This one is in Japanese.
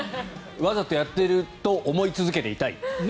わざとやってると思い続けていたい。